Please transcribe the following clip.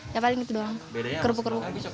ya paling gitu doang kerupuk